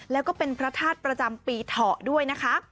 แล้วก็เป็นพระธาตุประจำปีเถาะด้วยนะคะ